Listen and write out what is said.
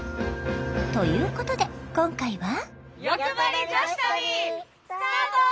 ということで今回は。